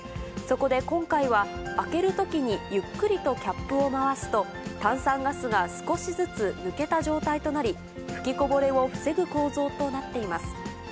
そこで今回は、開けるときにゆっくりとキャップを回すと、炭酸ガスが少しずつ抜けた状態となり、噴きこぼれを防ぐ構造となっています。